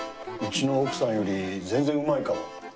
うちの奥さんより全然うまいかも。